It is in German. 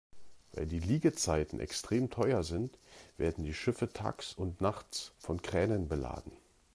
Weil die Liegezeiten extrem teuer sind, werden die Schiffe tags und nachts von Kränen beladen.